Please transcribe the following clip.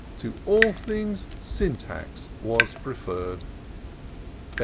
To all things Syntax was preferr'd.